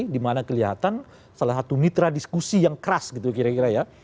dimana kelihatan salah satu mitra diskusi yang keras gitu kira kira ya